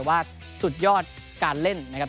ว่าสุดยอดการเล่นนะครับ